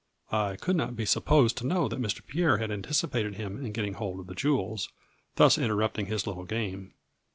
I could not be supposed to know that Mr. Pierre had anticipated him in getting hold of the jewels, thus interrupting his little game.